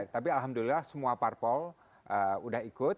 tapi alhamdulillah semua parpol udah ikut